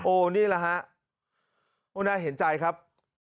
โอ้นี่แหละฮะนายเห็นใจครับ